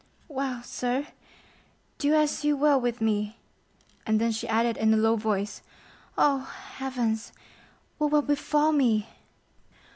"Well, sir, do as you will with me;" and then she added, in a low voice, "oh, heavens, what will befall me?"